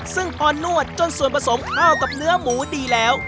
ซึ่งพอนวดจนส่วนผสมข้าวกับเนื้อหมูดีแล้ว